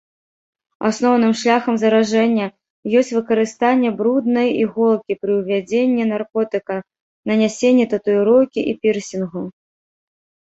Асноўным шляхам заражэння ёсць выкарыстанне бруднай іголкі пры ўвядзенне наркотыка, нанясенні татуіроўкі і пірсінгу.